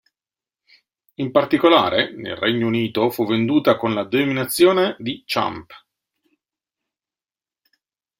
In particolare, nel Regno Unito fu venduta con la denominazione di Champ.